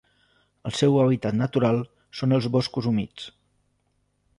El seu hàbitat natural són els boscos humits.